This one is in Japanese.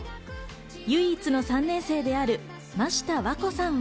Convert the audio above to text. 唯一の３年生である眞下さんは。